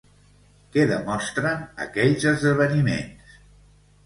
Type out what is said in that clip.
Què demostren aquells esdeveniments?